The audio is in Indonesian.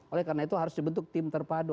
oleh karena itu harus dibentuk tim terpadu